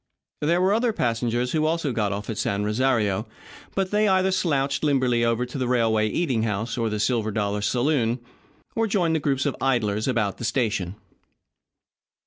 There were other passengers who also got off at San Rosario, but they either slouched limberly over to the railroad eating house or the Silver Dollar saloon, or joined the groups of idlers about the station.